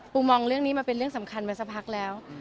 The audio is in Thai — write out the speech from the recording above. มองเรื่องนี้มาเป็นเรื่องสำคัญมาสักพักแล้ว